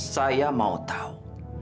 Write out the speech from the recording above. saya mau tahu